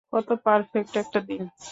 কত পারফেক্ট একটা দিন।